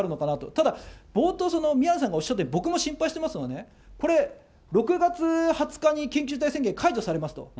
ただ、冒頭、宮根さんがおっしゃったように、僕も心配してますけどね、これ６月２０日に緊急事態宣言解除されますと。